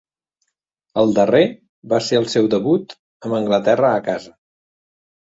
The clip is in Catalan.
El darrer va ser el seu debut amb Anglaterra a casa.